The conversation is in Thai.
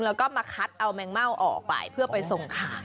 แล้วก็มาคัดเอาแมงเม่าออกไปเพื่อไปส่งขาย